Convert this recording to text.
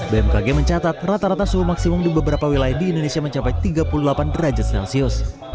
bmkg mencatat rata rata suhu maksimum di beberapa wilayah di indonesia mencapai tiga puluh delapan derajat celcius